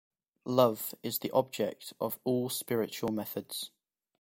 Love is the objective of all Spiritual Methods.